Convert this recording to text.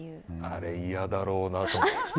あれ、嫌だろうなと。